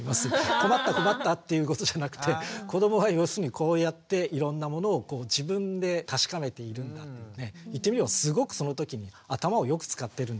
困った困ったっていうことじゃなくて子どもは要するにこうやっていろんなものを自分で確かめているんだっていうね言ってみればすごくそのときに頭をよく使ってるんです。